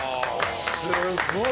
すごい。